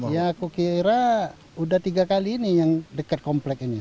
ya aku kira udah tiga kali ini yang dekat komplek ini